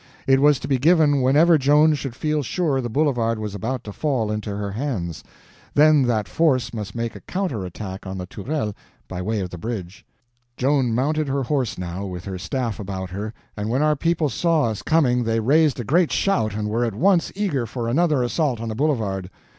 It was to be given whenever Joan should feel sure the boulevard was about to fall into her hands—then that force must make a counter attack on the Tourelles by way of the bridge. Joan mounted her horse now, with her staff about her, and when our people saw us coming they raised a great shout, and were at once eager for another assault on the boulevard.